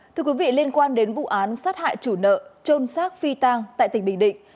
thưa quý vị liên quan đến vụ án sát hại chủ nợ trôn xác phi tang tại tỉnh bình định